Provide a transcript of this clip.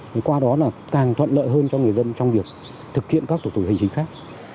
thì qua đó là càng thuận lợi hơn cho người dân trong việc thực hiện các thủ tục hành chính khác